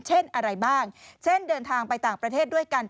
เช่นอะไรบ้างเช่นเดินทางไปต่างประเทศด้วยกัน